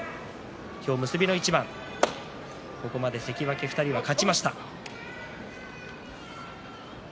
今日、結びの一番ここまで関脇２人が勝ちました。